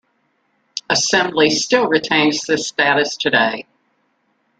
Assembly still retains this status today.